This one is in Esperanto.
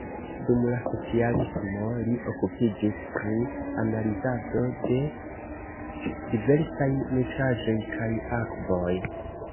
Dum la socialismo li okupiĝis pri analizado de diversaj nutraĵoj kaj akvoj.